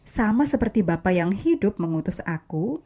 sama seperti bapak yang hidup mengutus aku